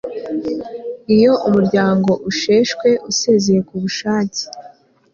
iyo umuryango usheshwe usezeye ku bushake